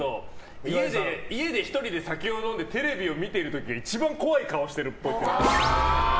家で１人で酒を飲んでテレビを見ている時が一番怖い顔してるっぽい。